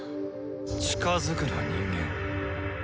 近づくな人間。